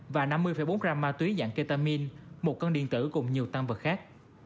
và năm mươi bốn gram ma túy dạng ketamine một con điện tử cùng nhiều tăng vật khác